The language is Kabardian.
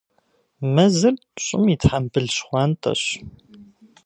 Мэзыр щӀым и «тхьэмбыл щхъуантӀэщ».